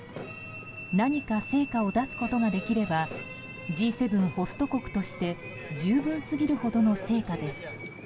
何か成果を出すことができればＧ７ホスト国として十分すぎるほどの成果です。